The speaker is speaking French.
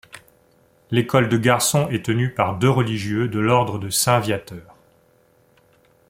L'école de garçons est tenue par deux religieux de l'ordre de Saint-Viateur.